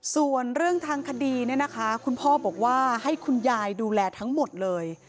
ส่วนเรื่องทางคดีเนี่ยนะคะคุณพ่อบอกว่าให้คุณยายดูแลทั้งหมดเลย